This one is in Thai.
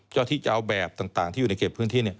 เจ้าที่จะเอาแบบต่างที่อยู่ในเขตพื้นที่